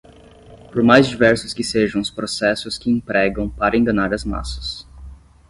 por mais diversos que sejam os processos que empregam para enganar as massas